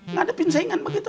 ngedepin saingan begitu